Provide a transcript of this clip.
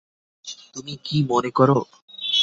তুমি কি মনে কর?